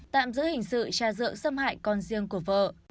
tạm giữ hình sự tra dự xâm hại con riêng của vợ